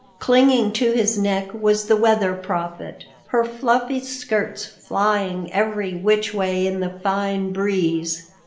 Clinging to his neck was the Weather Prophet, her fluffy skirts flying every which way in the fine breeze.